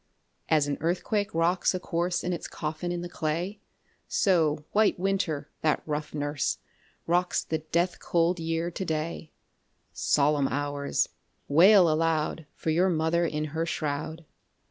2. As an earthquake rocks a corse In its coffin in the clay, So White Winter, that rough nurse, Rocks the death cold Year to day; _10 Solemn Hours! wail aloud For your mother in her shroud.